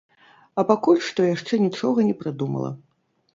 А пакуль што яшчэ нічога не прыдумала.